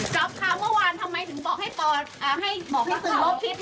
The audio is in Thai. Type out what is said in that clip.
จ๊อปค่ะเมื่อวานทำไมถึงบอกให้ปอร์ให้บอกรักษาลบคลิปค่ะ